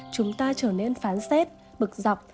chúng ta trở nên phán xét bực dọc